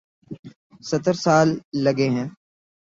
ستر سال لگے ہیں۔